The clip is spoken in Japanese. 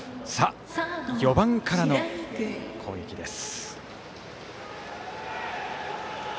４番からの攻撃です。